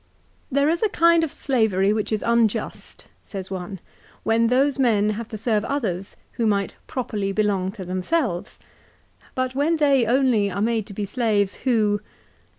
1 " There is a kind of slavery which is unjust," says one; "when those men have to serve others who might ' properly belong to themselves.' But when they only are made to be slaves who